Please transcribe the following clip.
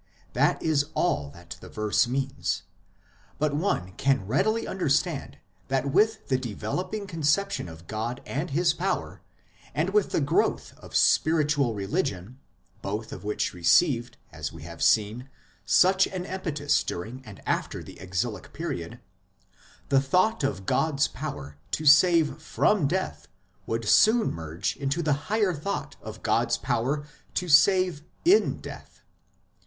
That is all that the verse means ; but one can readily understand that with the developing conception of God and His power, and with 212 IMMORTALITY AND THE UNSEEN WORLD the growth of spiritual religion both of which received, as we have seen, such an impetus during and after the exilic period the thought of God s power to save from death would soon merge into the higher thought of God s power to save in death.